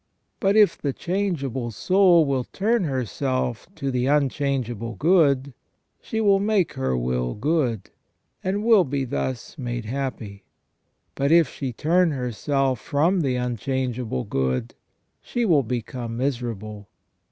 But if the changeable soul will turn herself to the unchangeable good, she will make her will good, and will be thus made happy. But if she turn herself from the unchangeable good, she will become miserable.